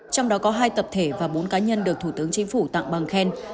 trong đó có hai tập thể và bốn cá nhân được thủ tướng chính phủ tặng bằng khen